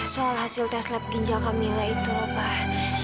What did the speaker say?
soal hasil tes lab ginjal kamila itu lopak